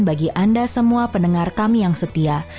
bagi anda semua pendengar kami yang setia